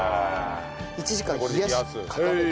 １時間冷やし固める。